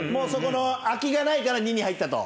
空きがないから２に入ったと。